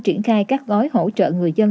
triển khai các gói hỗ trợ người dân